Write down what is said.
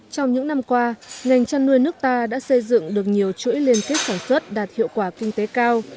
trong những năm qua ngành chăn nuôi nước ta đã xây dựng được nhiều chuỗi liên kết sản xuất đạt hiệu quả kinh tế cao